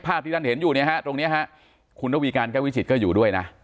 ที่ท่านเห็นอยู่เนี่ยฮะตรงนี้ฮะคุณระวีการแก้ววิจิตก็อยู่ด้วยนะ